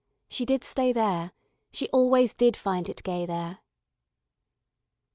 She did stay there. She always did find it gay there.